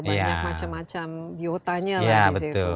banyak macam macam biotanya lah di situ